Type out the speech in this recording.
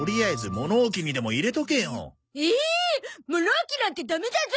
物置なんてダメだゾ！